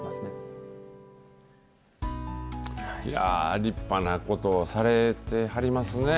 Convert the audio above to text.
立派なことをされてはりますね。